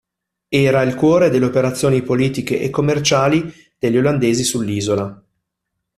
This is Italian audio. Era il cuore delle operazioni politiche e commerciali degli olandesi sull'isola.